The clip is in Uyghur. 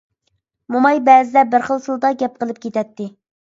موماي بەزىدە بىر خىل تىلدا گەپ قىلىپ كېتەتتى.